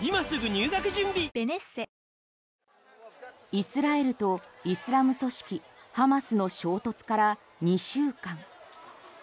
イスラエルとイスラム組織ハマスの衝突から２週間。